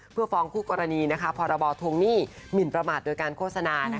เพื่อฟ้องคู่กรณีพรบทวงหนี้หมินประมาทโดยการโฆษณา